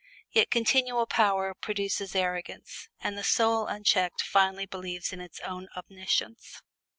Yet continual power produces arrogance, and the soul unchecked finally believes in its own omniscience.